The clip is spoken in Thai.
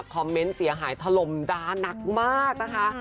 คอมเมนต์เสียหายทะลมด้านักมากนะคะ